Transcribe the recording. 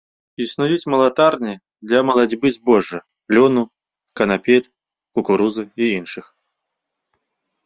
Існуюць малатарні для малацьбы збожжа, лёну, канапель, кукурузы і іншых.